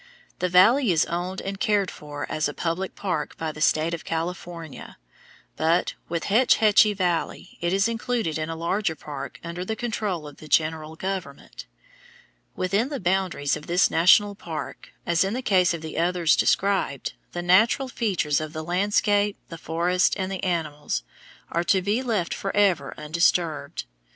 The valley is owned and cared for as a public park by the state of California, but, with Hetch Hetchy Valley, it is included in a larger park under the control of the general government. Within the boundaries of this national park, as in the case of the others described, the natural features of the landscape, the forests, and the animals, are to be left forever undisturbed.